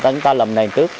chúng ta làm nền trước